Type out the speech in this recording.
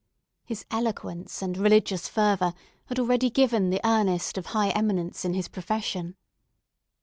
His eloquence and religious fervour had already given the earnest of high eminence in his profession.